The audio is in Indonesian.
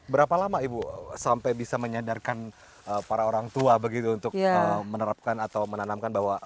berapa lama ibu sampai bisa menyadarkan para orang tua begitu untuk menerapkan atau menanamkan bahwa